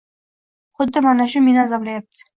Xuddi mana shu meni azoblayapti